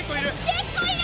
結構いる！